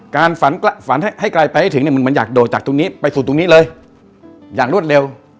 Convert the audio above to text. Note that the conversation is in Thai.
ฝันฝันให้ไกลไปให้ถึงเนี่ยมันอยากโดดจากตรงนี้ไปสู่ตรงนี้เลยอย่างรวดเร็ว